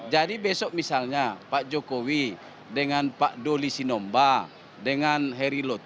jadi besok misalnya pak jokowi dengan pak doli sinomba dengan heri lotu